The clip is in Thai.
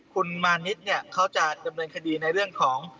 คุณมานิดเนี่ยเขาจะดำเนินคดีในเรื่องของ